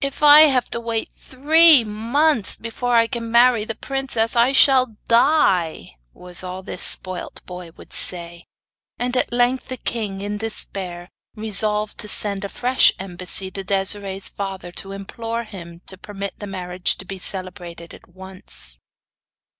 'If I have to wait three months before I can marry the princess I shall die!' was all this spoilt boy would say; and at length the king, in despair, resolved to send a fresh embassy to Desiree's father to implore him to permit the marriage to be celebrated at once.